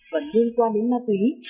vẫn liên quan đến ma túy